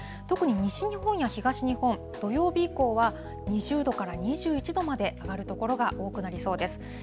特に西日本や東日本、土曜日以降は、２０度から２１度まで上がる所が多くなりそうです。